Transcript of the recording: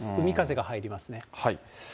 海風が入りますね。